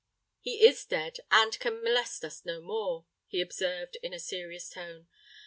"He is dead—and can molest us no more," he observed, in a serious tone.